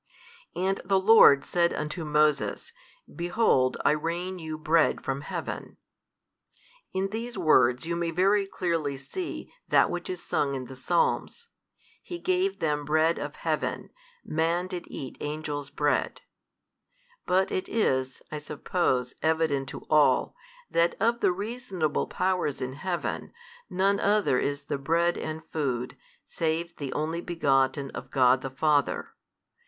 And the Lord said unto Moses, Behold I rain you bread |365 from heaven. In these words you may very clearly see that which is sung in the Psalms, He gave them bread of heaven; man did eat angels' bread. But it is, I suppose, evident to all, that of the reasonable Powers in heaven, none other is the Bread and Food, save the Only Begotten of God the Father.